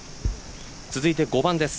続いて５番です